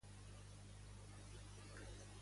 Quin paper va tenir a Aplec?